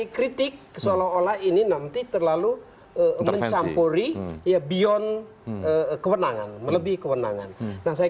kritik seolah olah ini nanti terlalu mencampuri ya beyond kewenangan melebihi kewenangan nah saya